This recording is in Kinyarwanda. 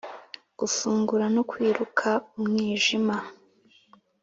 gufungura no kwiruka umwijima